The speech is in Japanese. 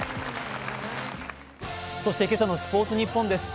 そして今朝の「スポーツニッポン」です。